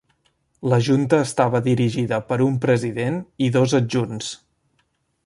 La junta estava dirigida per un president i dos adjunts.